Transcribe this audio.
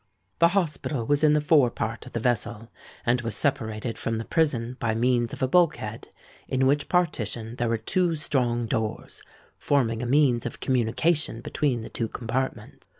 The hospital was in the fore part of the vessel, and was separated from the prison by means of a bulk head, in which partition there were two strong doors, forming a means of communication between the two compartments.